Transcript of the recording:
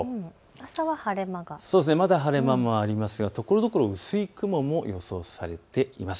朝は晴れ間もありますがところどころ薄い雲も予想されています。